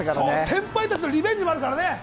先輩たちのリベンジもありますからね。